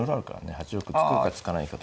８六歩突くか突かないかとか。